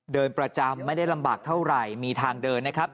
เดินประจำไม่ได้ลำบากเท่าไหร่มีทางเดินนะครับ